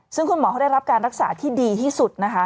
ซึ่งคุณหมอเขาได้รับการรักษาที่ดีที่สุดนะคะ